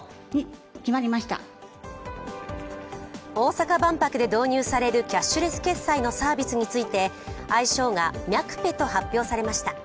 大阪万博で導入されるキャッシュレス決済のサービスについて愛称がミャクペ！と発表されました。